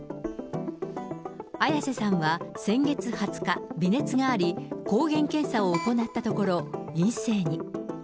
綾瀬さんは先月２０日、微熱があり、抗原検査を行ったところ、陰性に。